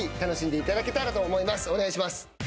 お願いします。